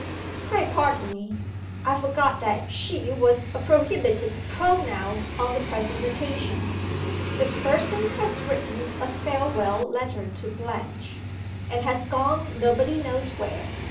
"Pray pardon me I forgot that 'she' was a prohibited pronoun on the present occasion. The Person has written a farewell letter to Blanche, and has gone nobody knows where.